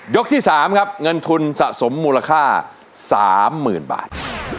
ยกที่สามครับเงินทุนสะสมมูลค่าสามหมื่นบาท